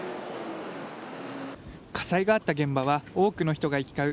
火災があった現場は多くの人が行き交う